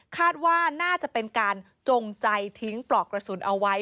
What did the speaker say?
คาดว่าน่าจะเป็นการจงใจทิ้งปลอกกระสุนเอาไว้